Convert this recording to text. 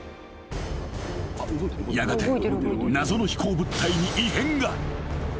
［やがて謎の飛行物体に］